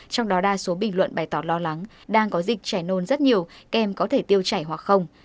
trong đó đa số bình luận bày tỏ lo lắng đang có dịch trẻ nôn rất nhiều kem có thể tiêu chảy hoặc không